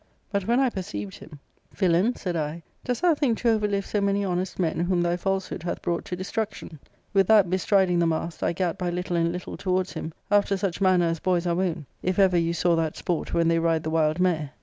But when I perceived him, * Villain,* said I, * dost thou think to overlive so many honest men whom thy false hood hath brought to destruction?' With that bestriding, the mast, I gat by little and little towards him, after such inanner as boys are wont, if ever you saw that sport, when they ride the wild mare.